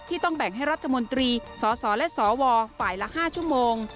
ต้องแบ่งให้รัฐมนตรีสสและสวฝ่ายละ๕ชั่วโมง